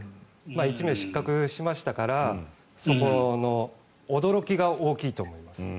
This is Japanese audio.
１名失格しましたからそこの驚きが大きいと思います。